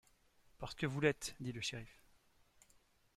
Parce que vous l’êtes, dit le shériff.